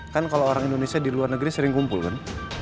kan kalau orang indonesia di luar negeri sering kumpul kan